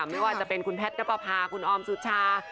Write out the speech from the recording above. ไม่ว่าจะเป็นคุณแพทย์นับประพาคุณออมสุชา